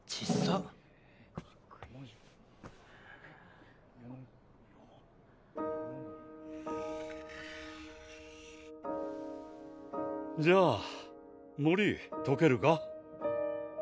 うん。じゃあ森解けるか？